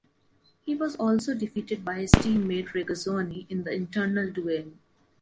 He was also defeated by his teammate Regazzoni in the internal duel.